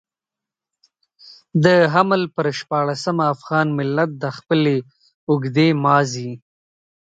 د حمل پر شپاړلسمه افغان ملت د خپلې اوږدې ماضي.